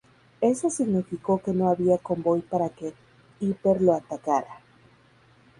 Eso significó que no había convoy para que Hipper lo atacara.